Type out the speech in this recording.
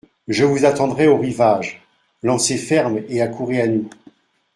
Je vous attendrai au rivage ; lancez ferme et accourez à nous.